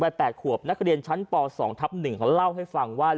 ใบแปดขวบนักเรียนชั้นปสองทับหนึ่งเขาเล่าให้ฟังว่า